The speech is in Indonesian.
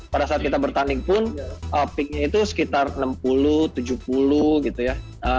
pada saat kita bertanding pun peaknya itu sekitar enam puluh tujuh puluh gitu ya